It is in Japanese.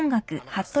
はい。